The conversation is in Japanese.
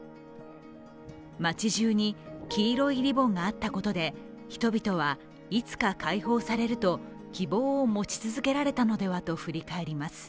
街じゅうに黄色いリボンがあったことで、人々はいつか解放されると希望を持ち続けられたのではと振り返ります。